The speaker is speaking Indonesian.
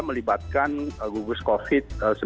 melibatkan gugus covid sembilan belas